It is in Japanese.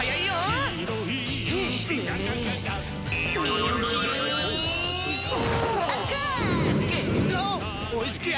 よし！